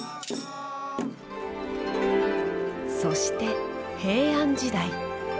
そして平安時代。